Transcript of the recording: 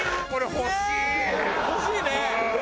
欲しいね！